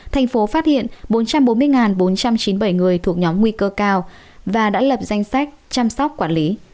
thành phố phát hiện bốn trăm bốn mươi bốn trăm chín mươi bảy người thuộc nhóm nguy cơ cao và đã lập danh sách chăm sóc quản lý